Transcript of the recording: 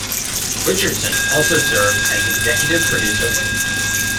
Richardson also served as executive producer.